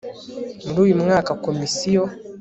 Muri uyu mwaka Komisiyo